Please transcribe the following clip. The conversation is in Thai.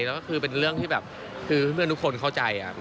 แล้วก็คือเป็นเรื่องที่แบบคือเพื่อนทุกคนเข้าใจ